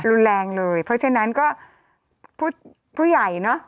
รุนแรงเลยเพราะฉะนั้นก็ผู้ใหญ่เนอะ